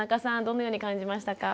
どのように感じましたか？